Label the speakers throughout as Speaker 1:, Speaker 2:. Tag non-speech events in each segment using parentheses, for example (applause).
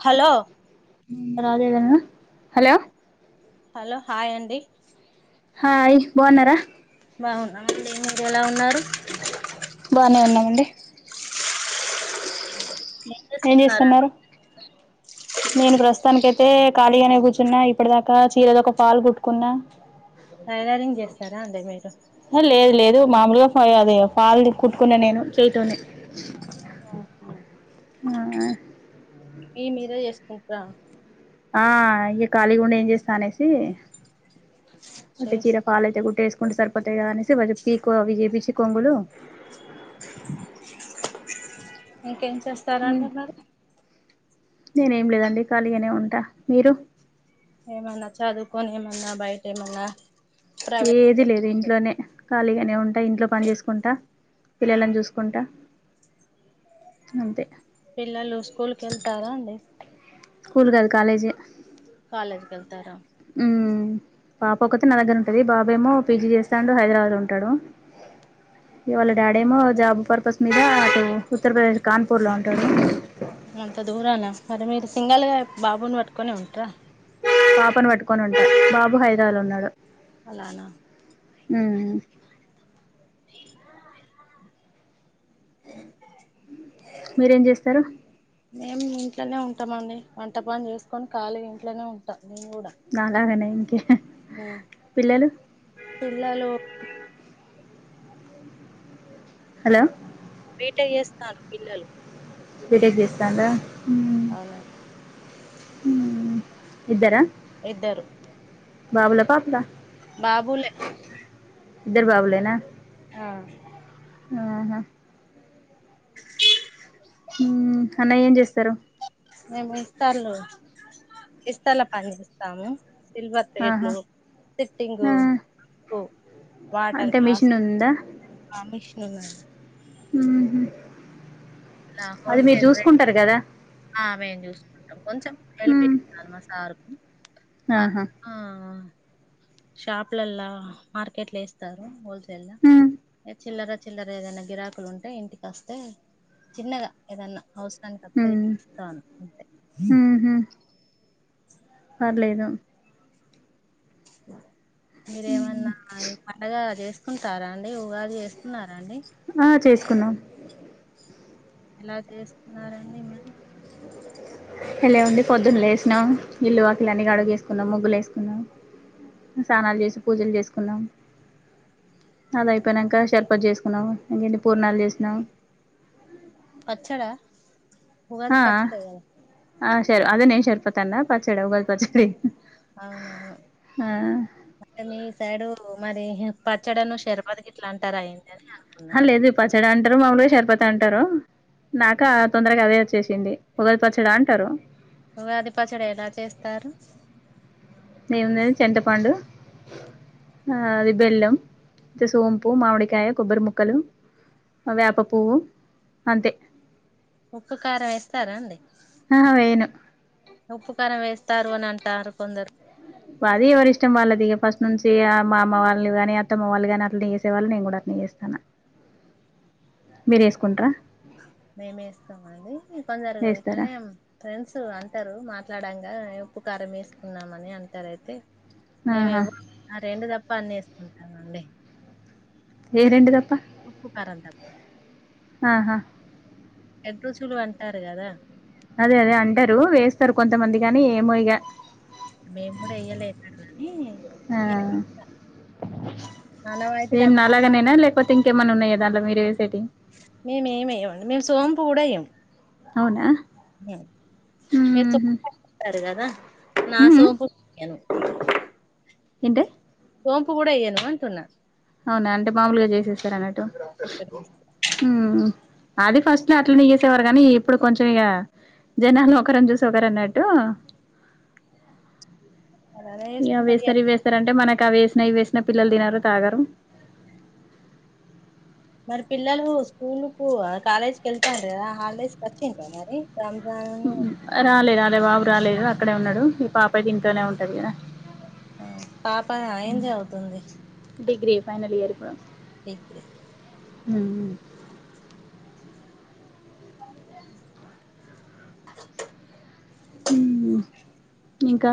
Speaker 1: Hello
Speaker 2: రాలేదా hello
Speaker 1: hello hi అండి
Speaker 2: hi బావున్నరా
Speaker 1: బావున్నామ్ అండి మీరు ఎలా ఉన్నారు
Speaker 2: బానే ఉన్నమండి ఏం చేస్తున్నారు నేను ప్రస్తుతానికి అయితే ఖాళీగానే కూర్చున్నా ఇప్పటి దాకా చీరది ఒక పాల్ కుట్టుకున్నా
Speaker 1: టైలరింగ్ చేస్తారా అండి మీరు
Speaker 2: లేదు లేదు మామూలుగా ఫ అది ఫాల్ ది కుట్టుకున్న నేను చేయితోని
Speaker 1: ఓహా
Speaker 2: ఆ
Speaker 1: మీ మీరే చేసుకుంట్రా
Speaker 2: ఆ ఇక ఖాళీగుండి ఏం చేస్తా అనేసి ఉట్టి చీరా
Speaker 1: చేసుకో
Speaker 2: పాల్ అయితే గుట్టే వేసుకుంట సరిపోతది గా అనేస్ వోచుకద పీకో అవిజేపిచి కొంగులు
Speaker 1: ఇంకేం చేస్తారండి మరి
Speaker 2: నేనే ఏం లేదండి ఖాళీగనే ఉంటా మీరు
Speaker 1: ఏమన్నా చదువుకొని ఏమన్నా బయట ఏమన్నా ప్రైవేట్
Speaker 2: ఏది లేదు ఇంటి ఇంట్లోనే ఖాళీగానే ఉంటా ఇంట్లో పని చేసుకుంటా పిల్లలని చూసుకుంటా అంతే
Speaker 1: పిల్లలు స్కూల్ కెళ్తారా అండి
Speaker 2: స్కూల్ కాదు కాలేజే
Speaker 1: కాలేజికి వెళ్తారా
Speaker 2: మ్మ్ పాప ఒకతి నా దగ్గర ఉంటది బాబు ఏమో పీజీ చేస్తాండు హైదరాబాద్ లో ఉంటాడు ఇవాళ డాడేమో జాబ్ పర్పస్ మీద అటు ఉత్తరప్రదేశ్ కాన్పూర్ లో ఉంటాడు
Speaker 1: ఏమో అంత దూరానా మరి మీరు సింగల్గా బాబుని పట్టుకొని ఉంటారా
Speaker 2: పాపని పట్టుకొని ఉంటా బాబు హైదరాబాద్ లో ఉన్నాడు
Speaker 1: అలానా
Speaker 2: ఉమ్ మీరేం చేస్తరు
Speaker 1: మేము ఇంట్లోనే ఉంటాం అండి వంటపని చేసుకొని ఖాళీ ఇంట్లోనే ఉంట
Speaker 2: నాలాగనే ఇంకే
Speaker 1: మ్మ్
Speaker 2: పిల్లలు
Speaker 1: పిల్లలూ
Speaker 2: హలో
Speaker 1: బీటెక్ చేస్తారు పిల్లలు
Speaker 2: బీటెక్ చేస్తాండ్ర
Speaker 1: అవునండి
Speaker 2: ఉమ్ ఇద్దరా
Speaker 1: ఇద్దరు
Speaker 2: బాబుల, పాపలా
Speaker 1: బాబులే
Speaker 2: ఇద్దరు బాబులేనా
Speaker 1: ఆ
Speaker 2: ఆహా అన్నయ్య ఏం చేస్తారు
Speaker 1: మేము ఇస్తర్లు ఇస్తర్ల పనిపిస్తాము సిల్వర్
Speaker 2: ఆహా
Speaker 1: ప్లేట్లు
Speaker 2: ఆ
Speaker 1: సిట్టింగు వాటర్
Speaker 2: అంటే
Speaker 1: గ్లాస్
Speaker 2: మిషన్ ఉందా
Speaker 1: (unintelligible)
Speaker 2: ఉంహు
Speaker 1: ఇలా
Speaker 2: అది మీరు
Speaker 1: హోల్సేల్ రేట్
Speaker 2: చూసుకుంటారు కదా
Speaker 1: ఆ మేము చూసుకుంటాం కొంచెం హెల్ప్
Speaker 2: ఉమ్
Speaker 1: చేస్తారు మా సారు
Speaker 2: ఆహా
Speaker 1: షాప్లల్లా మార్కెట్లేస్తారు హోల్సేల్
Speaker 2: ఉమ్
Speaker 1: చిల్లర చిల్లర ఏదైనా గిరాకులు ఉంటే ఇంటికి వస్తే చిన్నగా ఏదన్నా హౌస్
Speaker 2: ఉమ్ ఉంహు పర్లేదు
Speaker 1: మీరేమన్నా ఈ పండగ చేస్త చేసుకుంటారాండి ఉగాది చేసుకున్నార అండి
Speaker 2: ఆ చేసుకున్నాం
Speaker 1: ఎలా చేసుకున్నారండి మరి
Speaker 2: ఎలా ఉంది పొద్దున్నే లేసిన ఇల్లు వాకిలి అన్ని కడిగేసుకున్నా ముగ్గులు వేసుకున్న స్నానాలు చేసి పూజలు చేసుకున్నాం అది అయ్యిపోయినాక షర్బత్ చేసుకున్నాం ఇంకిన్ని పూర్ణాలు చేసినా
Speaker 1: పచ్చడా ఉగాది పచ్చడే కదా
Speaker 2: ఆ శర్ అదేనేన్ షర్బతన్నా పచ్చడ ఉగాది పచ్చడి
Speaker 1: అవునవును అంటే మీ సైడూ మరి పచ్చడిను షర్బత్ గిట్లా అంటారా ఏందీ
Speaker 2: అ లేదు పచ్చడంటరు మాములుగా షర్బత్ అంటరు అంటారు నాకా తొందరగా అదే వచ్చేసిందిఉగాది పచ్చడాంటరు
Speaker 1: ఉగాది పచ్చడి ఎలా చేస్తారు
Speaker 2: ఏముంది చింతపండు అది బెల్లం ఇంత సోంపు, మావడికాయ, కొబ్బరి ముక్కలు వేప పువ్వు అంతే
Speaker 1: ఉక్కుకారం ఏస్తారా అండి
Speaker 2: ఆహా వేయను
Speaker 1: ఉప్పుకారం వెస్తారు అని అంటారు కొందరు
Speaker 2: అది ఎవరిష్టం వాళ్ళది ఫస్ట్ నుంచి మా అమ్మ వాళ్ళని కాని అత్తమ్మ వాళ్లు గాని అట్లనే చేసేవాళ్ళు నేను కూడా అ ఎస్తానా మీరు వేసుకుంటార
Speaker 1: మేమే ఏసుకోము అండి కొందరు
Speaker 2: వేస్తారా
Speaker 1: ఇట్లనే ఫ్రెండ్స్ అంటారు మాట్లాడాని ఉప్పు, కారం వేసుకున్నామని అన్ని అంటారు అయితే మేము
Speaker 2: ఆహా
Speaker 1: ఎవరు రెండు టాపి పన్ వేసుకుంటాం అండి
Speaker 2: ఏ రెండి దప్ప
Speaker 1: ఊప్పు కారం త
Speaker 2: ఆహ
Speaker 1: చేడ్రుచులు అంటారు గదా
Speaker 2: అదే అదే అంటారు వేస్తారు కొంతమంది కాని ఏమో ఇగ
Speaker 1: మేము కూడా ఎయ్యలే ఎన్నడూ గని
Speaker 2: ఆ సేమ్ నాలాగనేనా లేకపోతే ఇంకేమనా ఉన్నాయా దాంట్లో మీరు ఎసెటి
Speaker 1: మేమ ఏమియ్యమండి మేము సోంపుకూడా వేయ్యం
Speaker 2: అవునా
Speaker 1: మీరు
Speaker 2: ఉహు
Speaker 1: (inaudible) కదా నా
Speaker 2: ఉ
Speaker 1: సోంపు ఎయ్యను
Speaker 2: ఏంటి
Speaker 1: సోంపు కూడా వేయ్యను అంటున్నా
Speaker 2: అవునా అంటే మామూలుగా చేసేస్తారు అన్నట్టు అది ఫస్ట్ లో అట్లనే చేసేవారు కానీ ఇప్పుడు కొంచెం ఇగ జనాలను ఒకరని చూసి ఒకరు అన్నట్టు
Speaker 1: అదే
Speaker 2: ఇ
Speaker 1: వేసుకుంటారు కదా.
Speaker 2: ఆవేస్తారు ఈవేస్తారు అంటే మనకి కవేసిన ఈవేసిన పిల్లలు తినరు తాగరు
Speaker 1: మరి పిల్లలు స్కూల్ కు కాలేజీకి వెళ్తాండ్రు కదా హాలిడేస్ వచ్చిండ్రా మరి రంజాన్
Speaker 2: ఉమ్ రాలే రాలే బాబు రాలేదు అక్కడే ఉన్నాడు ఈ పాపతె ఇంట్లోలో నే ఉంటది ఇగ
Speaker 1: ఉమ్ పాప ఎమ్ చదువుతుంది
Speaker 2: డిగ్రీ ఫైనల్ ఇయర్ ఇప్పుడు
Speaker 1: డిగ్రీ
Speaker 2: ఉహ్మ్ ఉమ్ ఇంకా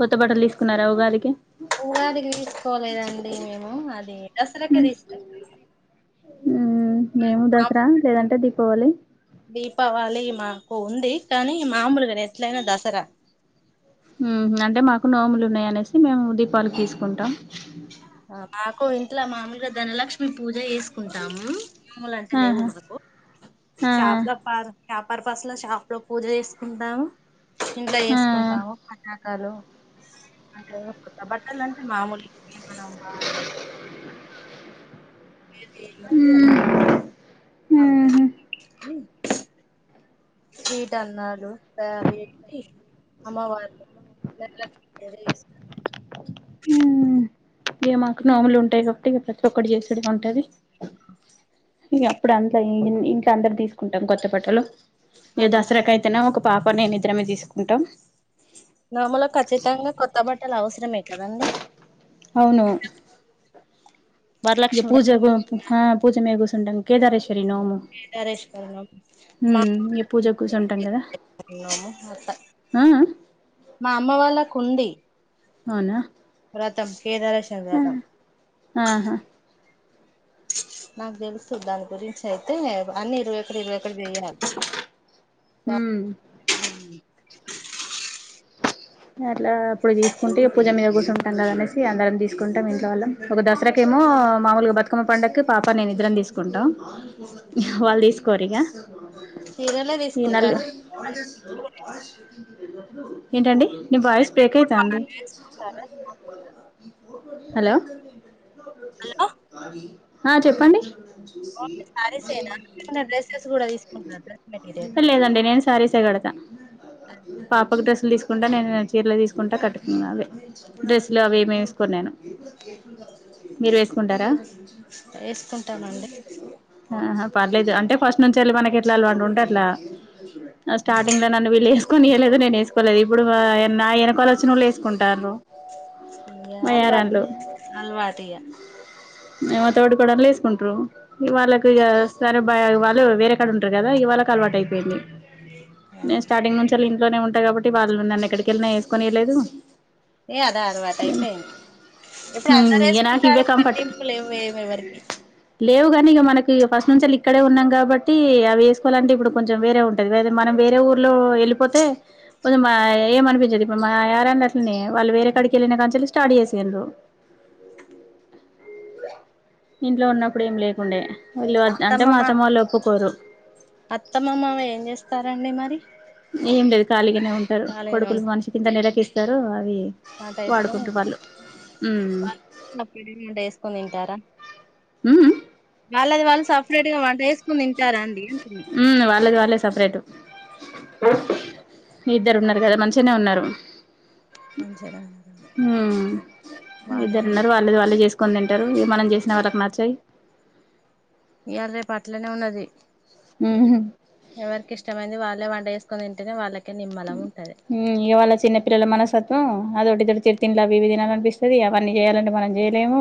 Speaker 2: కొత్త బట్టలు తీసుకున్నారా ఉగాది
Speaker 1: ఉగాదికి తీసుకోలేదండి మేము అది దసరాకే
Speaker 2: హ్మ్.
Speaker 1: తీసుకుంటుం
Speaker 2: హ్మ్. మేము
Speaker 1: అప్
Speaker 2: దసరా లేదంటే దీపావళి.
Speaker 1: దీపావళిమా ఒ ఉంది కానీ మామూలుగాని ఎట్లాయినా దసరా
Speaker 2: ఉమ్ అంటే మాకు నోములు ఉన్నాయ అనేసి మేము దీపావళికి తీసుకుంటాం
Speaker 1: మాకు ఇంట్లో మామలుగా ధనలక్ష్మి పూజ చేసి తీసుకుంటాం నోములు అంటే లేవు
Speaker 2: ఆహా!
Speaker 1: మకు
Speaker 2: ఆ!
Speaker 1: షాప్లలో పర్ షాప్ పర్పస్ లో షాపు లో పూజ చేసుకుంటాము ఇంట్లో చేసుకుంటాము పటాకాలు అట్టు కొత్త బట్టలు అంటే మామూలు (unintelligible) ఇది ఉంది కదా (inaudible) స్వీట్ అన్నారు (unintelligible) వీట్టి అమ్మవారు ధనలక్ష్మి పూజ చేసుకుం
Speaker 2: ఉహ్మ్ ఇగ మాకు నోములు ఉంటాయి కాబట్టి ఇగ ప్రతి ఒక్కటి చేసుడే ఉంటది ఇగ అప్పుడంట్ల ఎ ఇంట్ల అందరు తీసుకుంటాం కొత్త బట్టలు ఇగ దసరాకే అయితేనో ఒక పాప నేను ఇద్రమే తీసుకుంటాం
Speaker 1: నోములో ఖచ్చితంగా కొత్త బట్టలు అవసరమే కదా అండీ
Speaker 2: అవును ఇక
Speaker 1: వరలక్ష్మి
Speaker 2: పూజ హా పూజ మీద కూసుంటాం కేదారిషి
Speaker 1: కేదారిషి మా
Speaker 2: ఉమ్ ఇగ పూజకు కూర్చుంటాం కదా
Speaker 1: అత్త
Speaker 2: ఆ అ
Speaker 1: మా అమ్మ వాళ్ళ కుంది
Speaker 2: అవునా
Speaker 1: వ్రతం కేదారేశ్వర వ్రతం
Speaker 2: ఆహా
Speaker 1: నాకు తెలుసు దాని గురించైతే అన్ని ఇక్కడ చేయాలి
Speaker 2: ఉమ్ అట్లా ఇప్పుడు తీసుకుంటే పూజ మీద కూర్చుంటాం కదానేసి అందరం తీసుకుంటాం ఇంట్లో వాళ్ళం ఒక దసరా కె మో మామూలుగా బతుకమ్మ పండగకి పాప నేను ఇద్దరం తీసుకుంటాం వాళ్ళు తీసుకోరు ఇక
Speaker 1: చీరలే తీసుకుంటారా
Speaker 2: ఏంటండి నీ వాయిస్ బ్రేక్ అయితాంది
Speaker 1: తీసుకుంటారా
Speaker 2: హలో
Speaker 1: హలో
Speaker 2: ఆ చెప్పండి
Speaker 1: ఓన్లీ శారీసేనా ఏమన్నా డ్రెస్సెస్ కూడా తీసుకుంటారా డ్రెస్ మెటీరియల్
Speaker 2: లేదండి నేను సారీసే కాడ పాపకు డ్రెస్లు తీసుకుంటా నేను చీరలో తీసుకుంటా కట్టుకున్నాను అవి డ్రెస్సులు అవి ఏమి వేసుకోను నేను మీరేసుకుంటారా
Speaker 1: వేసుకుంటామండి
Speaker 2: ఆహ పర్లేదు అంటే ఫస్ట్ నుంచి వెళ్ళి మనకి ఎట్లా అలవాటు ఉంటే అట్లా స్టార్టింగ్ లో నన్ను వీళ్ళు వేసుకోనీయలేదు నేను వేసుకోలేదు ఇప్పుడు నా యేనకాల వచ్చినళ్ళు వేసుకుంటార్రు
Speaker 1: ఇ్య అల్వాటు అలవాటుఇగ
Speaker 2: మా తోడికోడాళ్ల వేసుకుంటరు ఇ వాళ్ళకి సరే బ వాళ్ళు వేరే కాడ ఉంటారు కదా ఇవాళ్ళ అలవాటు అయిపోయింది నేను స్టార్టింగ్ నుంచి వాళ్ ఇంట్లోనే ఉంటాయి కాబట్టి వాళ్ళ నన్ను ఎక్కడికెళ్ళిన వేసుకొనియ లేదు
Speaker 1: ఏ అదే అలవాటు అయిపోయింది ఇప్పుడు అందరు
Speaker 2: ఇగ నాకు ఇవే
Speaker 1: వేసుకుంటారు
Speaker 2: కంఫర్ట్
Speaker 1: పట్టింపులెవ్వు ఎం ఎవరికి
Speaker 2: లేవు కానీ ఇక మనకి ఫస్ట్ నుంచిళ్ ఇక్కడే ఉన్నాం కాబట్టి అవిసుకోవాలంటే ఇప్పుడు కొంచెం వేరే ఉంటుంది వేరే మనం వేరే ఊర్లో వెళ్ళిపోతే మా ఏమనిపించదు ఇప్పు మాయారండ్లు అట్లనే వాళ్ళు వేరే ఎక్కడికి వెళ్ళిన కాంచెల్ స్టార్ట్ చేసిన్రు ఇంట్లో ఉన్నప్పుడు ఏమి లేకుండే విళ్ళు అంటే మా అత్తమ్మ వాళ్ళు ఒప్పుకోరు
Speaker 1: అత్తమ్మ మామ ఏం చేస్తారండి మరి
Speaker 2: ఏంలేదు ఖాళీగ నె ఉంటారు
Speaker 1: ఖాళీగానే ఉం
Speaker 2: కొడుకులు మనిషి కి ఇంత నెలకిస్తారు అవి వాడుకుంటూ వాళ్ళు ఉమ్
Speaker 1: వాళ్ళు సపరేట్ గా వంట చేసుకొని తింటారా
Speaker 2: మ్ మ్
Speaker 1: వాళ్ళది వాళ్ళు సఫలేట్ గా వంట చేసుకుని తింటారా అండి అంటున్నా
Speaker 2: సపరేట్ ఇద్దరు ఉన్నారు కదా మంచిగనే ఉన్నారు
Speaker 1: మంచిగానే ఉన్నదా
Speaker 2: మ్
Speaker 1: బానే
Speaker 2: ఇద్దరు
Speaker 1: ఉన్నా
Speaker 2: ఉన్నారు వాళ్ళది వాళ్ళే చేసుకు కొని తింటారు ఇగా మనం చేసిన వాళ్ళకి నచ్చాయి
Speaker 1: ఇయ్యాల రేపు అట్లనే ఉన్నది
Speaker 2: మ్ హ్మ్
Speaker 1: ఎవరికి ఇష్టమైంది వాళ్ళే వంట చేసుకొని తింటెనే వాళ్ళకి
Speaker 2: ఇవాళ చిన్నపిల్లల మనసత్వం అదొటి ఇద్దటి చిరు తండి అవి ఇవి తినాల అనిపిస్తుంది అవన్నీ చేయాలంటే మనం చేయలేము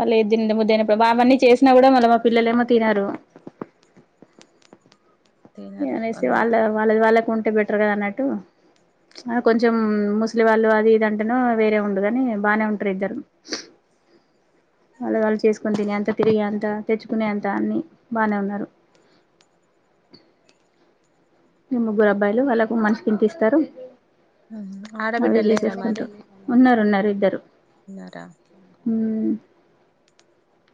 Speaker 2: అ లేదిండి ముద్దయినప్పుడు అవన్నీ చేసినా కూడా మళ్ళీ మా పిల్లలు ఏమో తినరు
Speaker 1: తినరు
Speaker 2: ఏమనేసి
Speaker 1: కొందరు
Speaker 2: వాళ్ళ వాళ్ళది వాళ్ళకు ఉంటే బెటర్ కదా అన్నట్టు కొంచెం ముస్లి వాళ్ళు అది ఇదంటేను వేరే ఉండుగాని బానే ఉంటరు ఇద్దరు వాళ్ళది వాళ్ళు చేసుకొని తినే అంత తిరిగి అంత తెచ్చుకునే అంత అన్ని బానే ఉన్నారు ఇగ ముగ్గురు అబ్బాయిలు వాళ్ళకు మంచికిింత ఇస్తారు అవే
Speaker 1: ఆడబిడ్డలు లేరా మరి
Speaker 2: చేసేసుకుంటూ ఉన్నారు ఉన్నారు ఇద్దరు
Speaker 1: ఉన్నారా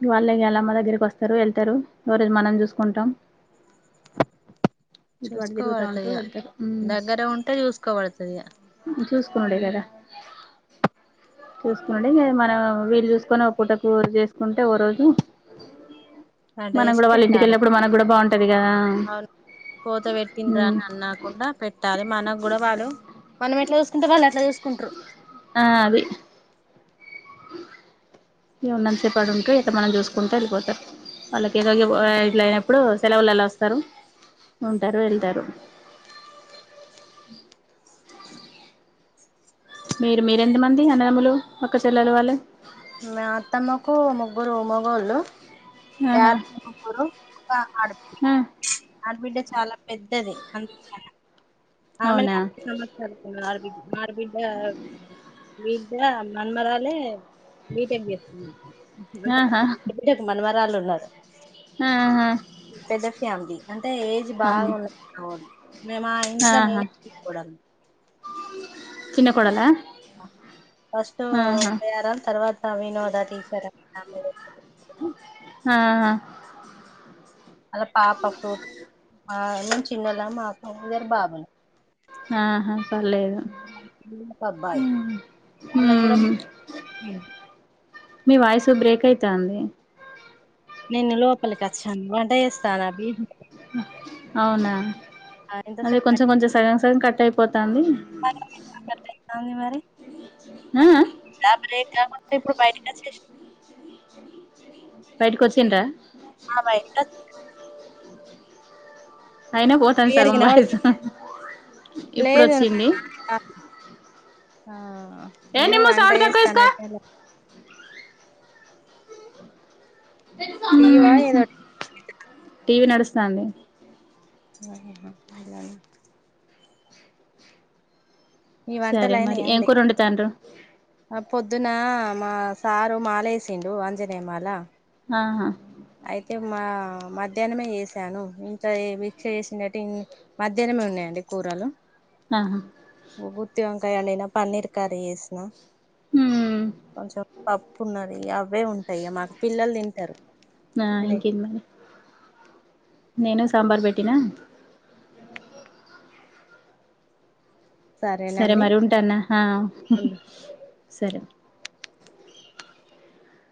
Speaker 2: వాళ్ళే యాలమ్మా దగ్గరికి వస్తారు ఎళ్తారు ఓరోజు మనం చూసుకుంటం వాడుదిరుగుతాండు
Speaker 1: చూసుకోబడుతది ఇగ
Speaker 2: వెల్తరు
Speaker 1: దగ్గర ఉంటే చూసుకోబడుతది ఇగ
Speaker 2: చూస్కునుడేగదా చూస్కునుడే ఇగ మనం వీళ్ళు చూసుకొని ఒక పూటకుర్ చేస్కుంటే ఓ రోజు
Speaker 1: వంట చేసి
Speaker 2: మనగుడా వాళ్ళింటికి
Speaker 1: పెట్టాలే
Speaker 2: ఎల్ననప్పుడు మనక్ గూడా బాగుంటది కదా
Speaker 1: పోతే పెట్టిండ్రా
Speaker 2: హ్మ్
Speaker 1: అని అన్నాకుండా పెట్టాలి మనకు గూడా వాడు కుంట్రు
Speaker 2: ఆ అది ఇగ ఉన్నంత సేపు ఆడుంటే ఇట్ల మనల్ని చూసుకుంటా వెళ్ళిపోతరు వాళ్ళకి ఏదో ఇగ ఇట్లా అయినప్పుడు సెలవులల్లోస్తరూ ఉంటరూ వెళ్తరూ మీరు మీరెంత మంది అన్నదములు అక్క చెల్లెల్లు వాళ్ళు
Speaker 1: మా అత్తమ్మకు ముగ్గురు మోగోళ్ళు
Speaker 2: ఆహా
Speaker 1: యారండ్లు ముగ్గురు ఒక ఆడపి
Speaker 2: ఆ
Speaker 1: ఆడ్ బిడ్డే చాలా పెద్దది అందరికన్నా ఆమెనే
Speaker 2: అవునా
Speaker 1: (unintelligible) సంవత్సరాలు ఆడ బి మారుబిడ్డా బిడ్డ మన్మరాలే బీటెక్ చేస్తుంది
Speaker 2: ఆహా
Speaker 1: రాళ్ళు ఉన్నారు
Speaker 2: ఆహా
Speaker 1: పెద్ద ఫ్యామిలీ అయితే ఏజ్
Speaker 2: అవును
Speaker 1: బాగున్నది మేము ఆ ఇంట్లో
Speaker 2: ఆహా
Speaker 1: నేనే పే కోడల్ని
Speaker 2: చిన్న కోడలా
Speaker 1: ఫస్ట్ ఒక
Speaker 2: ఆహా
Speaker 1: యారాలు తర్వాత వినోద టీచర్ అని నా పేరు (inaudible)
Speaker 2: ఆహ
Speaker 1: ఆల పాప ఫ్రూటి ఆ మేం చిన్నోళ్ళం మాకు ఇద్దరు బాబులు
Speaker 2: ఆహా పర్లేదు
Speaker 1: ఒక అబ్బాయి అళ్లాయి గూడ
Speaker 2: హ్మ్ మీ వాయిసు బ్రేక్ అయితాంది
Speaker 1: నేన్ లోపలికచ్చాను వంట చేస్తాన్న బీ
Speaker 2: అవునా అదే
Speaker 1: ఎంతసేపు
Speaker 2: కొంచం కొంచం సగం సగం కట్ అయిపో
Speaker 1: (inaudible) మరి
Speaker 2: ఆ
Speaker 1: (unintelligible) బైటికచ్చేస్నా
Speaker 2: బైటికొచ్చిండ్ర
Speaker 1: ఆ బైటిక
Speaker 2: అయినా పోతాంది
Speaker 1: క్లియర్ గా
Speaker 2: సగం వాయిస్
Speaker 1: ఇనవడ్తుందా
Speaker 2: ఇప్పుడు
Speaker 1: లేదు
Speaker 2: వచ్చింది
Speaker 1: నాద్ కాదు ఆ
Speaker 2: ఏ
Speaker 1: నేను
Speaker 2: నిమ్ము సౌండ్ తక్కువ
Speaker 1: వంటయేస్తాన్న
Speaker 2: చేసుకో
Speaker 1: పియలే టీవా ఏదో
Speaker 2: సంది
Speaker 1: (unintelligible) ఈ
Speaker 2: సరే మరి ఏం కూరండుతాండ్రు
Speaker 1: ఆ పొద్దునా మా సారు మాలేసిండు ఆంజనేయ మాల
Speaker 2: ఆహా
Speaker 1: అయితే మా మధ్యాహ్నమే ఎసాను ఇంట్ల ఏ వి దీక్ష చేసినట్ట మధ్యాహ్నం ఉన్నాయండి కూరలు
Speaker 2: ఆహా
Speaker 1: గు గుత్తి వంకాయ వొండిన పన్నీర్ కర్రీ చేసిన
Speaker 2: హ్మ్
Speaker 1: కొంచెం పప్పు ఉన్నది అవే ఉంటాయిగా మాకు పిల్లలు తింటారు
Speaker 2: ఆ ఇంకేది మరి నేను సాంబార్ పెట్టినా సరే
Speaker 1: సరేనండి
Speaker 2: మరి ఉంటాన్న హా హుహు
Speaker 1: ఉండు
Speaker 2: సరే